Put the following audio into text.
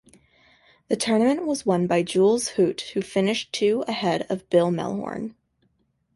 The tournament was won by Jules Huot who finished two ahead of Bill Mehlhorn.